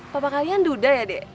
papa kalian duda ya dek